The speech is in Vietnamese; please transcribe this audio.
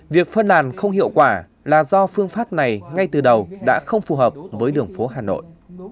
việc phân làn không hiệu quả là do phương pháp này ngay từ đầu đã không phù hợp với đường phố hà nội